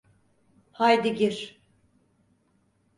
Haydi gir.